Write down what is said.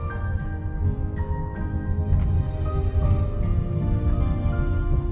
baik pak saya tunggu di kantor